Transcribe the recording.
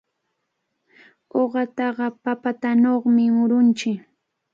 Uqataqa papatanawmi murunchik.